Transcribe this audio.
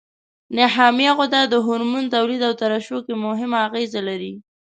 نخامیه غده د هورمون تولید او ترشح کې مهمه اغیزه لري.